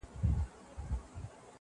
نور دا د قسمتونو ستوري ښه راته معلوم دي